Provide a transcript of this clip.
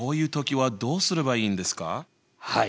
はい。